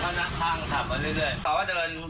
เขาก็เดินชักมาอีกแล้วก็มาจ่อผมเลย